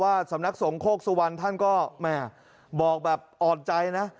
ว่าสำนักสงโคกสุวรรณท่านก็บอกแบบอ่อนใจนะ